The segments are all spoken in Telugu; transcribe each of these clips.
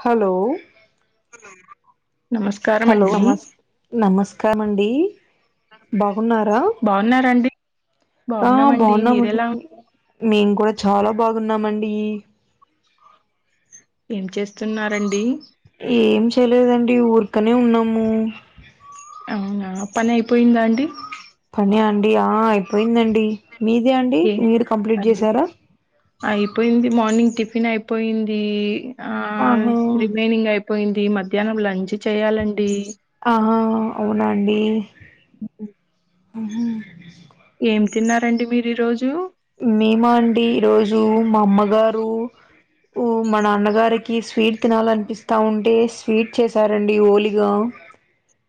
హలో స హలో నమస్ నమస్కారం అండి బ బాగున్నారండి ఆ బాగున్నామండి మి మేం కూడా చాలా బాగున్నామండి ఏం చేస్తున్నారండి ఏం చేయలేదండి ఊర్కనే ఉన్నాము అవునా పని అయిపోయిందా అండి పని అండి ఆ అయిపోయిందండి మీది అండి ఏ మీరు కంప్లీట్ అండి చేసారా అయిపోయింది మార్నింగ్ టిఫిన్ అయిపోయింది ఆ ఆహా రిమైనింగ్ అయిపోయింది మధ్యానం లంచ్ చేయాలండి ఆహా అవునండి ఆ ఏం తిన్నారండి మీరు ఈ రోజు మేమా అండి ఈ రోజు మా అమ్మగారు ఓ మన అన్నగారికి స్వీట్ తినాలనిపిస్తా ఉంటే స్వీట్ చేసారండి ఓలిగా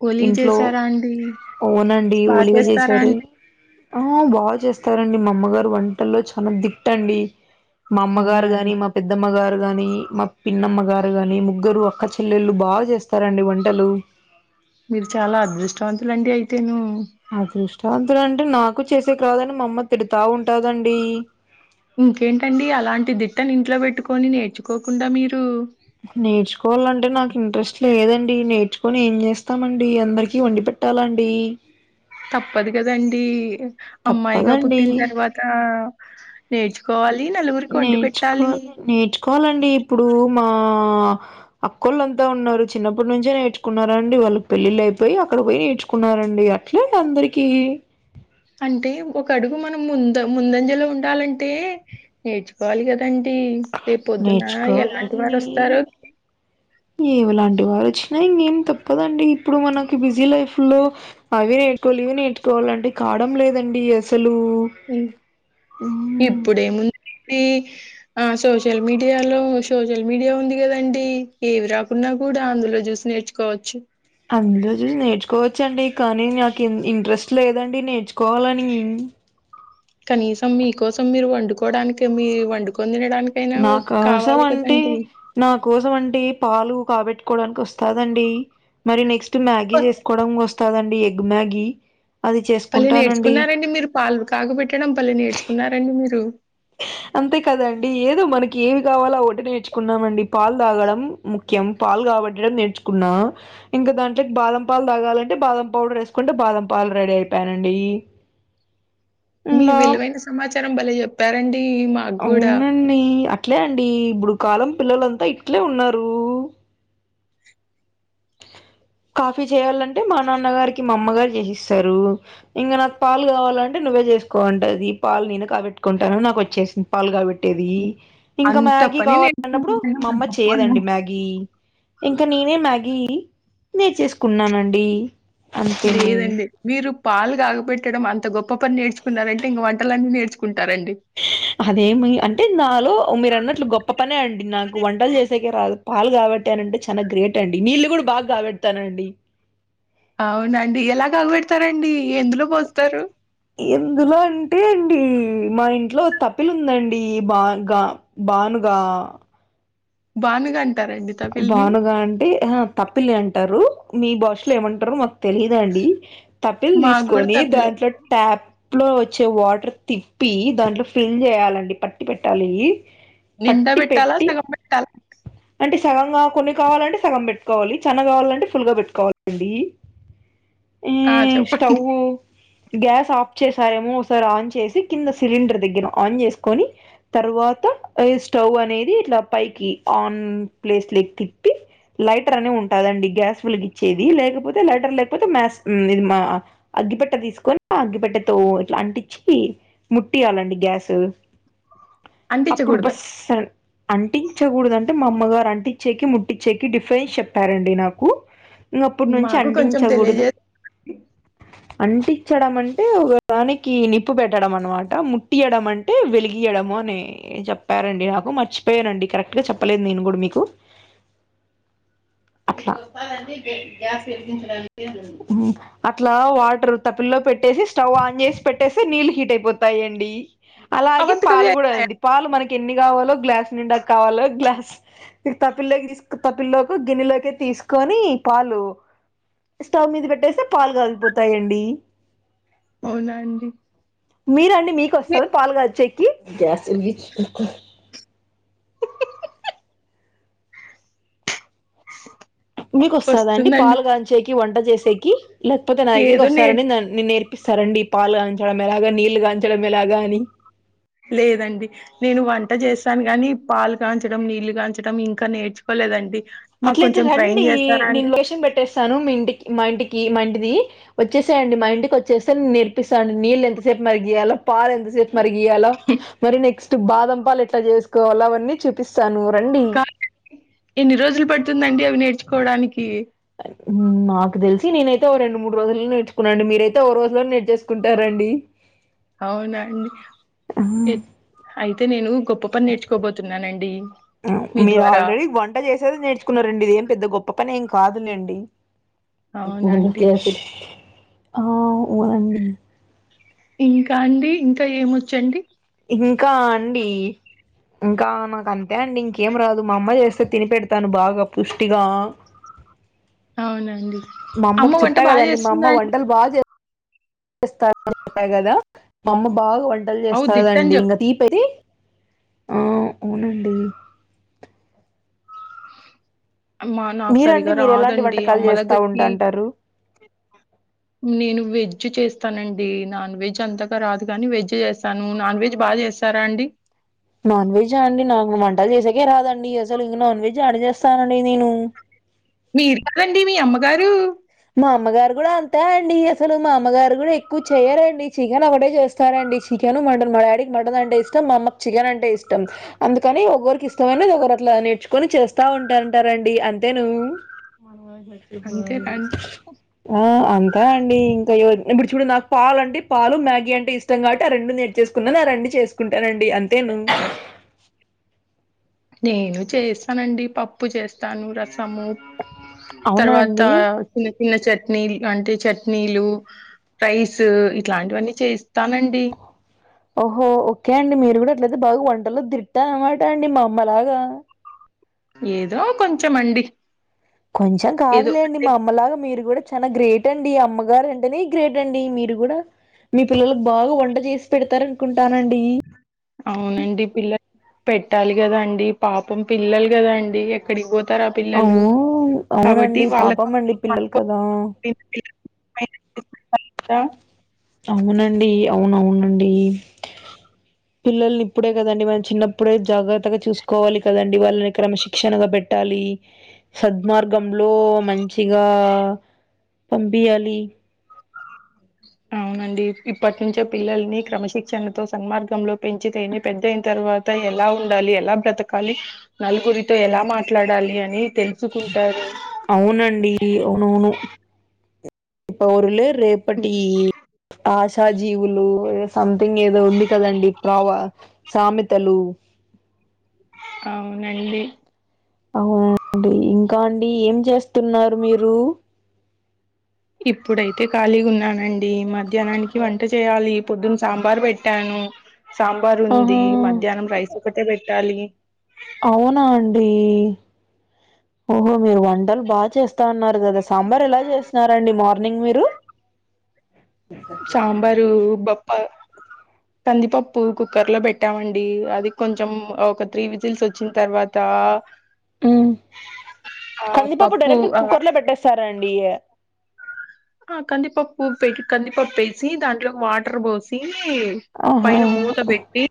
ఒలిగ ఇంట్లో చేసారా అండి అవ్నండి బాగా ఓలిగా చేస్తారా చేసారు అండి ఆ బాగా చేస్తారండి మా అమ్మగారు వంటల్లో చాలా దిట్టండి మా అవునా అమ్మగారు అండి గాని మా పెద్దమ్మ గారు గాని మా పిన్నమ్మ గారు గాని ముగ్గురు అక్క చెల్లెళ్ళు బాగ్ చేస్తారండి వంటలు మీరు చాలా అదృష్టవంతులండి అయితే ను అదృష్టావంతుల అంటే నాకు చేసేకి రాదని మా అమ్మ తిడతా ఉంటాదండి ఇంకేంటండి అలాంటి దిట్టను ఇంట్లో పెట్టుకొని నేర్చుకోకుండా మీరు నేర్చుకోవాలంటే నాకు ఇంట్రెస్ట్ లేదండి నేర్ చ్చుకొని ఏం చేస్తామండి అందరికి వండి పెట్టాలండి తప్పదు కదండి అమ్మాయిగా తప్పదండి పుట్టిన తర్వాత నేర్చుకోవల్ నేర్చుకోవాలి నేర్చుకోవాలండి ఇప్పుడు మా అక్కోళ్ళంతా ఉన్నారు చిన్నప్పటి నుంచే నేర్చుకున్నారండి వాళ్ళ పెళ్ళిళ్ అయిపోయి అక్కడ పోయి నే చుకున్నారండి అట్లే అందరికీ అంటే ఒక అడుగు మనం ముంద ముందంజలో ఉండాలంటే నేర్చుకోవాలి కద అంటి రేపు పొద్దున ఎలాంటి వారు వస్తారో ఏవలాంటి వారు వచ్చినా ఇంగేం తప్పదండి ఇప్పుడు మనకి బిజీ లైఫ్ లో అవి నేర్ కోలీవ నేర్చుకోవాలంటే కావడం లేదండి అసలు మ్ మ్మ్ ఇప్పుడేముందండి ఆ సోషల్ మీడియాలో సోషల్ మీడియా ఉంది కదండి ఏమి రాకున్నా కూడా అందులో జుసి నేర్చుకోవచ్చు అందులో చుసి నేర్చుకోవచ్చండి కానీ నాకు ఇంట్రెస్ట్ లేదండి నేర్చుకోవాలని కనీసం మీకోసం మీరు వండుకోవడానికి మీ వండుకొని తిన నా కోసం అంటే నా కోసం అంటే పాలు కాబెట్టుకోవడానికి వస్తదండి మరి నెక్స్ట్ మ్యాగీ చేసుకోవడం వస్ స్తదండి ఎగ్ మ్యాగీ అది పల్లె చేసుకుంటానండి నేర్చుకున్నారండి మీరు పాలు కాగుబెట్టడం బలే నేర్చుకున్నారండి మీరు అంతే కదండి ఏదో మనకి ఏమి కావాలా ఒకటి నేర్చుకున్నాం అండి పాల్ తాగడం ముఖ్యం పాల్ కాబట్టడం నేర్చుకున్నాం ఇం కా దాంట్లోకి బాదం పాలు తాగాలంటే బాదం పౌడర్ వేసుకుంటే బాదం పాలు రెడీ అయిపోయానండి మీ ఇంకా విలువైన సమాచారం బలే చెప్పారండి మాకు గూడా. అవునండి అట్లే అండి ఇప్పుడు కాలం పిల్లలంతా ఇట్లే ఉన్నారు కాఫీ చేయాలంటే మా నాన్నగారికి మా అమ్మ గారు చేసిస్తారు ఇంకా నాకు పాలు కావాలంటే నువ్వే చేసుకో అంటది పాలు నేను కాబెట్టుకుంటాను నాకు వచ్చేసింది పాలుగా కాగబెట్ ట్టేది ఇంకా అంత మ్యాగీ పని కావాల అన్నప్పుడు నేర్చుకున్నారండి మా అమ్మ గొప్పోళ్ళం. చేయదండి మ్యాగీ ఇంకా నేనే మ్యాగీ నేర్చేసుకున్నానండి అంతేను లేదండి మీరు పాలు కాగబెట్టడం అంత గొప్ప పని నేర్చుకున్నారంటే ఇంక వంటలన్న నేర్చుకుం అదేమి అంటే నాలో మీరు అన్నట్లు గొప్ప పనే అండి నాకు వంటలు చేసేకే రాదు పాలు కాబెట్టానంటే చాలా గ్రేట్ అండి నీళ్ళు కూడా బాగా కాబెడతానండి అవునండి ఎలా కాగుబెడతారండి ఎందులో పోస్తారు ఎందులో అంటే అండి మా ఇంట్లో తప్పిలు ఉందండి బాగ బాన్ గా బానుగం బానుగా అంటే ఆహా తప్పిలళ్ళే అంటారు మీ భాషలో ఏమంటారో మాకు తెలిదండి తప్పిల్ మాకు గూడా తీసుకొని తపిలే. దాంట్లో ట్యాప్ లో వచ్చే వాటర్ తిప్పి దాంట్లో ఫిల్ చేయాలండి పట్టి పెట్టాలి నిండా పట్టి పెట్టాల పెట్టి సగం పెట్టాలా అంటే సగంగా కొన్ని కావాలంటే సగం పెట్టుకోవాలి చనా కావాలంటే ఫుల్గా పెట్టుకోవాలండి ఆ మ్ చెప్పండి. స్టవ్ గ్యాస్ ఆఫ్ చేసారేమో ఒకసారి ఆన్ చేసి కింద సిలిండర్ దగ్గర ఆన్ చేసుకొని తర్వాత ఈ స్టవ్ అనేది ఇట్లా పైకి ఆన్ ప్లేస్ లేకి తిప్పి లైటర్ అనే ఉంటాదండి గ్యాస్ వేలీగిచ్చేది లేకపోతే లైటర్ లేకపోతే మ్యాస్ ఇది మ అగ్గిపెట్ట తీసుకొని అగ్గిపెట్టెతో ఇట్లా అంటిచ్చి ముట్టియాలండి గ్యాస్ అప్పుడు అంటించకూడదా? బస్ అంటించకూడద మా అమ్మగారు అంటిచ్చేకి ముట్టిచ్చేకి డిఫరెన్స్ చెప్పారండి నాకు ఇంకప్పుటి నుంచి మాకు కొంచెం అంటించకూడదు తెలియజేసి అంటించడం అంటే ఒకదానికి నిప్పు పెట్టడం అనమాట ముట్టియడం అంటే వెలిగియడం మో చెప్పారండి నాకు మర్చిపోయనండి కరెక్ట్ గా చెప్పలేదు నేను కూడా మీకు అట్లా అట్లా వాటర్ తపిల్ పెట్టేసి స్టవ్ ఆన్ చేసి పెట్టేస్తే నీళ్ళు హీట్ అయిపోతయండి అలాగే అవంతకవే పాలు కూడా అవుతాయా? అండి పాలు మనకి ఎన్ని కావాలో గ్లాస్ నిండా కావాలో గ్లా స్ తపిల్లోకి తీ తపిల్లోకి గిన్నెలోకి తీసుకొని పాలు స్టవ్ మీద పెట్టేస్తే పాలు కగిపోతాయండి అవునా అండి మీరండి మీకు వస్తారు పాలు కచ్చేకి మీకు వస్తదండి వస్తుందండి పాలుగాచేకి వంట చేసేకి లేకపోతే న దగ్గరి ఏదో కోస్తారా నేర్ దా నేన్ నేర్ స్తారండి పాలు కాంచడమేలాగా నీళ్ళలు గాంచడమేలాగా అని లేదండి నేను వంట చేస్తాను గాని పాలు కాంచడం నీళ్లు కాంచడం ఇంకా నేర్చుకోలేదండి మాకు అట్లయితే కొంచెం ట్రైన్ రండి చేస్తారా నేను అండి లొకేషన్ పెట్టేస్తాను మీ ఇంటి మా ఇంటికి మా ఇంటిది వచ్చేసేయండి మా ఇంటికి వచ్చేస్తే నేర్పిస్తాండి నీళ్ళు ఎంతసేపు మరి గీయాలో పాలు ఎంతసేపు మరి గయాలో మరి నెక్స్ట్ బాదం పాలు ఎట్లా చేసుకోవాలో అవన్నీ చూపిస్తాను రండి కాదండి ఎన్ని రోజులు పడుతుందండి అవిన్ని నేర్చుకోవడానికి నాకు తెలిసి నేనైతేఓ రెండు మూడు రోజుల్లో నేర్చుకున్నాను మీరైతేఓ రోజులో నేర్చేకుంటారం డి అవునా అండి అయితే నేను గొప్ప పని నేర్చుకోబోతున్నానండి మీ మీరు ద్వారా ఆల్రెడీ వంట చేసేది నేర్చున్నారండి ఇదిేం పెద్ద గొప్ప పని ఎం కాదు లేండి అవునా అండి ఆ ఊనండి ఇంకా అండి ఇంకా ఏమొచ్చండి ఇంకా అండి ఇంకా నాకు అంతే అండి ఇంకేం రాదు మా అమ్మ చేస్తే తిని పెెడతాను బాగా పుష్టిగా అవునండి మా అమ్మ అమ్మకు వంట చెప్పా బాగా కదండి మా చేస్తుందా అమ్మ అండి వంటలు బాగా చేస్ స్తది అని చెప్ప కదా మా అమ్మ బాగా వంటలు అవు దిట్టని చేస్తారండి ఇంగ చెప్పు తీపైతె ఆ అవునండి మా నాకు మీరండి సరిగా మీరు ఎలాంటి రాదండి వంటకాలు అమ్మ చేస్తా దగ్గరికి ఉంటాంటారు నేను వె వెజ్ చేస్తానండి నాన్ వెజ్ అంతగా రాదు కాని వెజ్ చేస్తాను నాన్ వెజ్ బాగా చేస్తారా అండి నాన్ వెజ్ా అండి నాకు వంట చేసేకే రాదండి అసలు ఇం నాన్ వెజ్ యడ చేేస్తానండి నేను మీరు కదండి మీ అమ్మగారు మా అమ్మగారు కూడా అంతే అండి అసలు మా అమ్మగారు కూడా ఎక్కువ చేయరండి చికెన్ ఒకటే చేస్తారండి చి చికెన్ మటన్ మా డాడీకి మటన్ అంటే ఇష్టం మామ్మకి చికెన్ అంటే ఇష్టం అందుకని ఒకరికి ఇష్టమైనది ఒకరు అట్లా నేర్చుకొని చేస్తా ఉంటాంటారండి అంతే ను అంతేకాండి ఆ అంతే అండి ఇంకా ఇప్పుడు చూడు నాకు పాలు అంటే పాలు మ్యాగీ అంటే ఇష్టం కాట్టి ఆ రెండు నేట్ చేసుకున్నాను రెండి చేసుకుంటానండి అంతే ను నేను చేస్తానండి పప్పు చేస్తాను రస ము అవునా తర్వాత అండి చిన్న చిన్న చట్నీ ఇలాంటిే చట్నీలు రైస్ ఇట్లాంటివన్నీ చేస్ ఓహో ఓకే అండి మీరు కూడా ట్లయితే బాగా వంటల్లో దిట్ట అనమాట అండి మా అమ్మ లాగా ఏదో కొంచమండి కొంచెం కాదులేండి మా అమ్మలాగా మీరు కూడా చానా గ్రేట్ అండి అమ్మగారు అంటేనే గ్రేట్ అండి మీరు కూడా మీ పిల్లలకు బాగా వంట చేసి పెడతారు అనుకుం అవునండి పిల్ల పెట్టాలి కదా అండి పాపం పిల్లలు కదం ఎక్కడికి పోతారు ఆ పిల్లలు అవును కాబట్టి అవునండి పాపం అండి పిల్లలు వాళ్ళతోలు కదా అవునండి అవునవునండి పిల్లల్ని ఇప్పుడే కదండి మనం చిన్నప్పుడే జాగ్రత్తగా చూసుకోవాలి కదండి వాళ్ళని క్రమ శిక్షణగా పెట్టాలి సద్మార్గంలో మంచిగా పంపియాలి అవునండి ఇప్పటి నుంచో పిల్లల్ని క్రమశిక్షణతో సన్మార్గంలో పెంచితేనే పెద్దయిన తర్ తర్వాత ఎలా ఉండాలి ఎలా బ్రతకాలి నలుగురితో ఎలా మాట్లాడాలి అని తెలుసుకుంటారు అవునండి అవునవును పౌరులే రేపటి ఉమ్, ఆష్ త జీవులు సంథింగ్ ఏదో ఉంది కదండి ప్రావా సామెతలు అవునండి అవునండి ఇంకా అండి ఏం చేస్తున్నారు మీరు ఇప్పుడైతే ఖాళీగా ఉన్నానండి మధ్యాహ్నానికి వంట చేయాలి పొద్దున్ సాంబార్ పెట్టాను సాంబార్ ఉంది ఆహా! మధ్యానం రైస్ ఒకటే పెట్టాలి అవునా అండి ఓహో మీరు వంటలు బాగా చేస్తాన్నారు కదా సాంబార్ ఎలా చేస్న్నారండి మార్నింగ్ మీరు సాంబారు బప్ప కందిపప్పు కుక్కర్ లో పెట్టామండి అది కొంచెం ఒక త్రీ విజిల్స్ వోచ్చిన్ తర్వాత ఆ ఉ కందిపప్పు పప్పు డైరెక్ట్ ఆ కుక్కర్ లో పెట్టేస్తారం డియా ఆ కందిపప్పు పెటి కందిపప్పు ఎసి దాంట్లో వాటర్ పోసి ఈ ఆహా! పైన మూతబెట్టి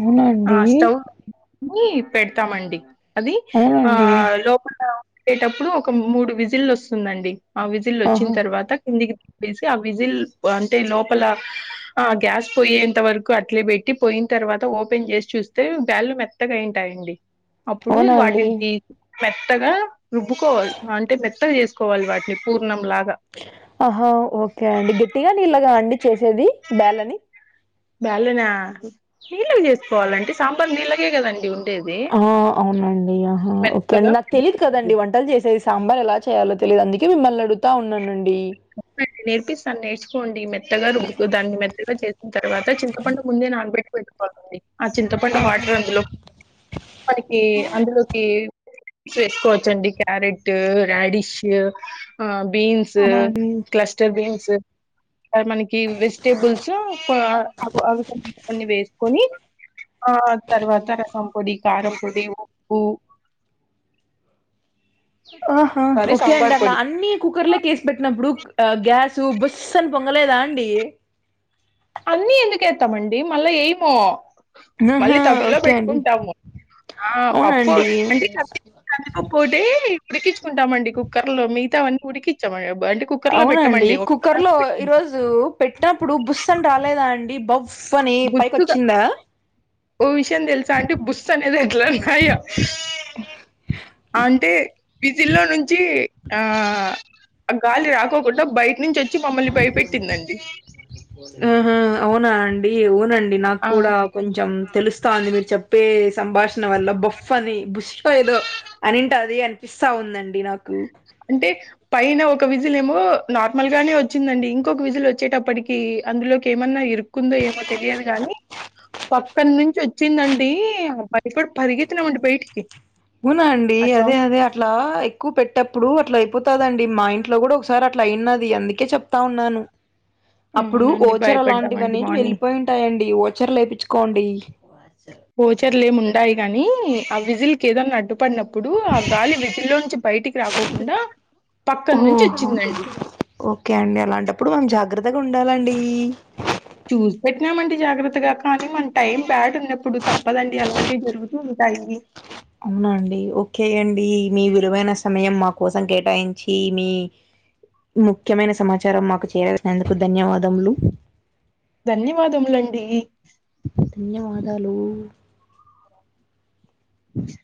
అవునా అండి నీ పెడ్తామండి అది అవునా ఆ అండి? లోపల వేటప్పుడు ఒక మూడు విజిల్లు వస్తుందండి ఆ ఆహా! విజిల్లోచ్చిన్ తర్వాత కిందికి తీసి ఆ విజిల్ అంటే లోపల ఆ గ్యాస్ పోయేంత వరకు అట్లే బెట్టి పోయిన్ తర్వాత ఓపెన్ చేసి చూస్తే బ్యాలు మెత్తగాయింటాయండి అప్పుడు అవునా అండి? వాటిని తీసి మెత్తగా రుబ్బుకోవాలి అంటే మెత్తగా చేసుకోవాలి వాట్ ఆహా ఓకే అండి గట్టిగా నీళ్ళగా అండి చేసేది బ్యాల్లని బ్యాల్లనా నీళ్ళగా చేసుకోవాలండి సాంబార్ నీళ్ళగే కదండి ఉండ్ ఆ అవునండి ఆహా ఓకే మెత్తగా అండి నాకు తెలీదు కదండి వంటలు చేసేద్ సాంబార్ ఎలా చేయాలో తెలిదు అందుకే మిమ్మల్నడుగుతా ఉన్నానండి నేర్పిస్తాను నేర్చుకోండి మెత్తగా రుబ్బుకో దాన్ని మెత్తగా చేసిన్ తర్వాత చింతపండు ముందే నాన్బెట్ పెట్టకొవాలండి ఆ చింతపండు ఆహా! వాటర్ అందులో మనకి అందులోకి చేసుకోవచ్చండి క్యారెట్ రాడిష్ ఆ బీన్స్ అవునా అండి? క్లస్టర్ బీన్స్ అవి మనకి వెజిటేబుల్స్ పో ఆ అవి కొన్ని ఇవి కొన్ని వేసుకొని ఆ తర్వాత రసం పొడి కారంపొడి ఉప్పు ఆహా సారీ ఓకే అండి సాంబార్ అట్లా పొడి అన్ని కుక్కర్లకేసి పెట్టినప్పుడు క్ ఆ గ్యాసు బుస్సని పొంగలేదా అండి? అన్ని ఎందుకేత్తామండి మళ్ళా ఏయము మళ్ళీ ఆహా! తబల్లో ఓకే అండి. పెట్టుకుంటాము. ఆ పప్పు అవునండి. అంటే కంది కందిపప్పొటి ఉడికిచ్చుకుంటామండి కుక్కర్ లో మిగతావన్ని ఉడికిచ్చమ ఆ అవునండి కుక్కర్ లో పెట్టుకుంటాం ఈరోజు పెట్టినప్పుడు బుస్సని రాలేదా అండి బవ్ ఉఫని పైకొచ్చిందా? ఎన్ తెల్సా అండి బుస్సనేది ఎట్లానయ్య అంటే విజిల్లో నుంచి ఆ ఆ గాలి రాకోకుండా బయట్ నుంచొచ్ ఆహ అవునా అం డివ్ అవునండి నాకు ఆ కూడా కొంచెం తెలుస్తాంది మీరు చెప్పేస్ సంభాషణ వల్ల బొఫ్ అని బుష్ ఏదో అనింటది అనిపిస్తా ఉందండి నాకు అంటే పైన ఒక విజిలేమో నార్మల్ గానే వచ్చిందండి. ఇంకొక విజుల్ వచ్చేటప్పటికి అందులోకి ఏమన్నా ఇరుక్కుందో ఏమో తెలియదు గాని పప్ అక్కన్నించ్చొచ్చిందండి బయపడి పరిగెత్తినమండి బయటికి అవునా అండి ఆ అదే సౌండ్ అదే అట్లా ఎక్కువ పెట్టప్పుడు అట్లా అయిపోతదండి మా ఇంట్లో కూడా ఒకసారి అ ట్ల అయిన్నాది అందుకే చెప్ టా ఉన్నాను అప్పుడు అవునండి ఓచర లాంటివి భయపడ్డామండి అనేటివి మార్నింగ్ వెళ్ళిపోయుటాయండి ఓచర్ లేపిచ్ కోండి వోచర్లేముండయి గాని ఆ విజిల్కి ఏదన్నా అడ్డుపడినప్పు ప్పుడు ఆ గాలి విజిల్లోంచి బయటికి రాకోకుండా పక్కన్నుంచ్చొచ్చిందండి కే అండి అలాంటప్పుడు మనము జాగ్రత్తగా ఉండాలండి. చూసి పెట్టినామండి జాగ్రత్తగా కానీ మన టైం బ్యాడున్నప్పుడు తప్పదండి అలాంటివి జరుగుతూ ఉంటాయి. అవునా అండి ఓకే అండి మీ విలువైన సమయం మా కోసం కే టాయించి మీ ముఖ్యమైన సమాచారం మాకు చేయాల్సినందుకు ధన్యవాదములు. ధన్యవాదములండి ధన్యవాదాలు చ్